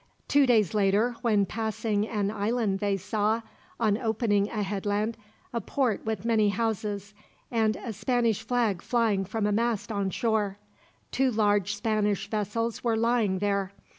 Two days later, when passing an island they saw, on opening a headland, a port with many houses, and a Spanish flag flying from a mast on shore. Two large Spanish vessels were lying there.